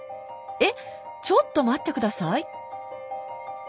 えっちょっと待って下さい。